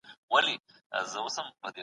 د تورو ټایپ په تصویر کې ښکاري.